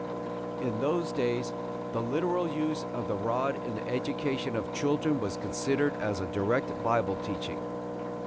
In those days the literal use of the rod in the education of children was considered as a direct Bible teaching.